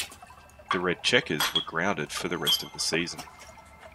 The Red Checkers were grounded for the rest of the season.